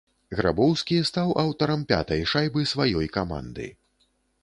Грабоўскі стаў аўтарам пятай шайбы сваёй каманды.